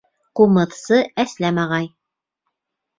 «Ҡумыҙсы Әсләм ағай»